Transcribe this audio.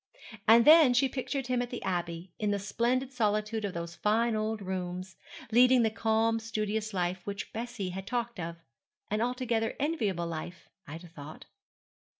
And then she pictured him at the Abbey, in the splendid solitude of those fine old rooms, leading the calm, studious life which Bessie had talked of an altogether enviable life, Ida thought.